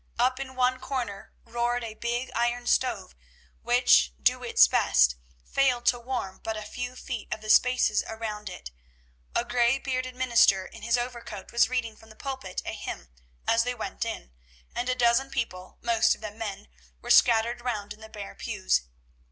Up in one corner roared a big iron stove, which, do its best, failed to warm but a few feet of the spaces around it. A gray bearded minister in his overcoat was reading from the pulpit a hymn, as they went in, and a dozen people, most of them men, were scattered round in the bare pews.